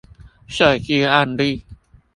設計案例